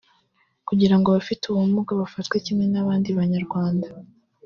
kugira ngo abafite ubumuga bafatwe kimwe n’abandi Banyarwanda